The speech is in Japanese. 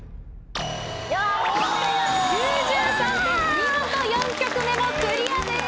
見事４曲目もクリアです。